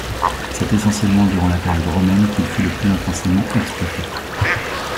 C'est essentiellement durant la période romaine qu'il fut le plus intensément exploité.